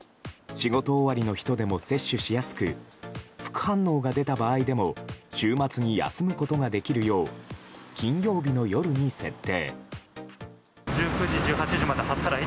仕事終わりの人でも接種しやすく副反応が出た場合でも週末に休むことができるよう金曜日の夜に設定。